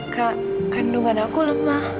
kak kandungan aku lemah